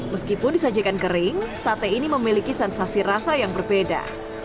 meskipun disajikan kering sate ini memiliki sensasi rasa yang berbeda